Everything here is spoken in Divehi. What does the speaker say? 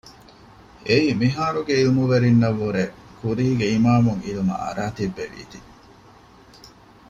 އެއީ މިހާރުގެ ޢިލްމުވެރިންނަށް ވުރެން ކުރީގެ އިމާމުން ޢިލްމަށް އަރައި ތިއްބެވީތީ